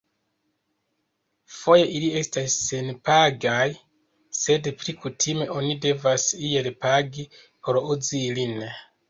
Foje ili estas senpagaj, sed pli kutime oni devas iel pagi por uzi ilin.